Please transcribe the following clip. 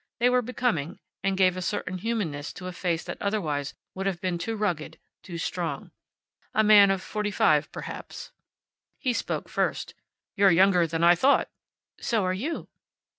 They were becoming, and gave a certain humanness to a face that otherwise would have been too rugged, too strong. A man of forty five, perhaps. He spoke first. "You're younger than I thought." "So are you."